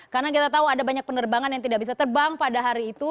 karena kita tahu ada banyak penerbangan yang tidak bisa terbang pada hari itu